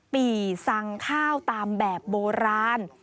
ปี่สั่งข้าวตามแบบโบราณ